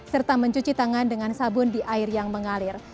serta mencuci tangan dengan sabun di air yang mengalir